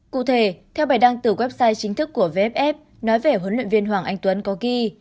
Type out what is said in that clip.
cụ thể theo bài đăng từ website chính thức của vff nói về huấn luyện viên hoàng anh tuấn có ghi